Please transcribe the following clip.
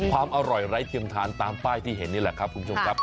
ความอร่อยไร้เทียมทานตามป้ายที่เห็นนี่แหละครับคุณผู้ชมครับ